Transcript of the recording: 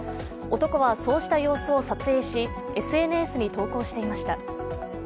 男はそうした様子を撮影し、ＳＮＳに投稿していました。